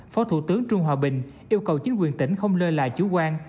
phó thủ tướng trung hòa bình yêu cầu chính quyền tỉnh không lơ lại chú quan